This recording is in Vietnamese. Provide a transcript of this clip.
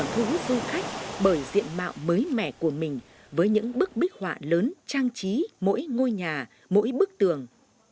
bên cạnh đó tam thanh còn thu hút du khách bởi diện mạo mới mẻ của mình với những bức bích họa lớn trang trí mỗi ngôi nhà mỗi bức tường